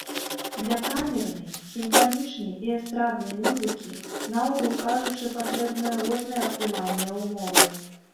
Для камернай, сімфанічнай і эстраднай музыкі, наогул кажучы, патрэбныя розныя аптымальныя ўмовы.